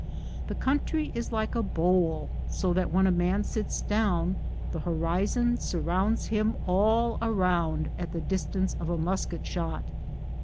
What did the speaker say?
The country is like a bowl, so that when a man sits down, the horizon surrounds him all around at the distance of a musket shot.